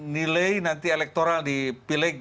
nilai nanti elektoral dipilih